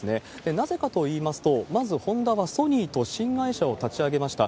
なぜかといいますと、まずホンダは、ソニーと新会社を立ち上げました。